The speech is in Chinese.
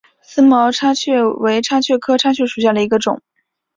思茅叉蕨为叉蕨科叉蕨属下的一个种。